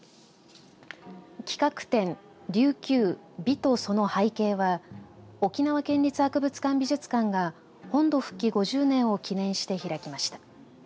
企画展琉球美とその背景は沖縄県立博物館・美術館が本土復帰５０年を記念して開きました。